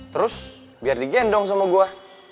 terus biar digendong sama gue